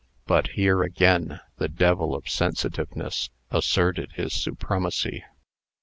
But here again the devil of sensitiveness asserted his supremacy.